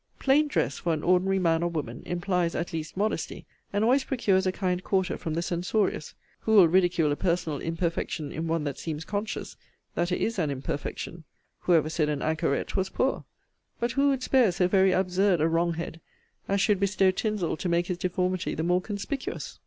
Plain dress, for an ordinary man or woman, implies at least modesty, and always procures a kind quarter from the censorious. Who will ridicule a personal imperfection in one that seems conscious, that it is an imperfection? Who ever said an anchoret was poor? But who would spare so very absurd a wrong head, as should bestow tinsel to make his deformity the more conspicuous?